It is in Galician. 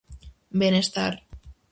Benestar.